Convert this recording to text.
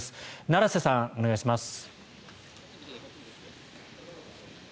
奈良瀬さん、お願いします。